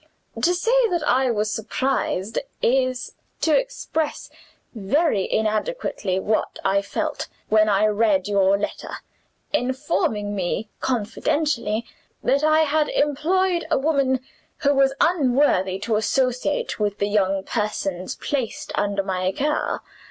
"To say that I was surprised is to express very inadequately what I felt when I read your letter, informing me confidentially that I had employed a woman who was unworthy to associate with the young persons placed under my care.